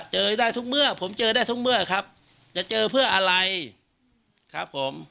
เจอได้ทุกเมื่อผมเจอได้ทุกเมื่อครับจะเจอเพื่ออะไรครับผม